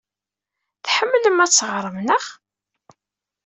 Tḥemmlem ad teɣrem, naɣ?